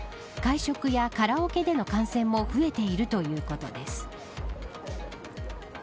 会食やカラオケでの感染も増えているということです。